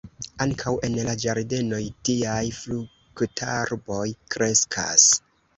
Ankaŭ en la ĝardenoj tiaj fruktarboj kreskas.